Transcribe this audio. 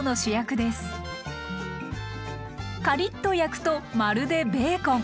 カリッと焼くとまるでべーコン。